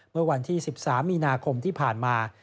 เมื่อวันที่๑๓มีนาคมที่ผ่านมา